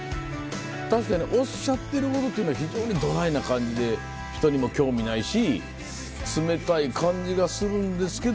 確かにおっしゃってることっていうのは非常にドライな感じで人にも興味ないし冷たい感じがするんですけど。